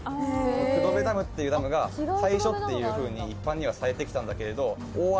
その黒部ダムっていうダムが最初っていうふうに一般にはされてきたんだけれど。